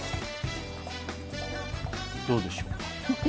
どうでしょうか？